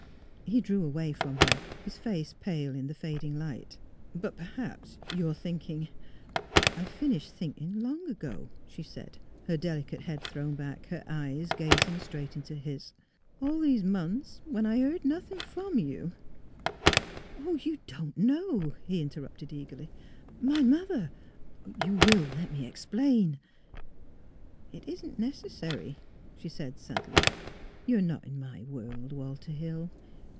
" He drew away from her, his face pale in the fading light. '' But perhaps you are thinking "'' I have finished thinking, long ago," she said, her delicate head thrown back, her eyes gazing straight into his. " All these months, when I heard nothing from you "" You don't know," he interrupted, eagerly. ^' My mother You will let me explain "" It isn't necessary," she said, sadly. " You are not in my world, Walter Hill.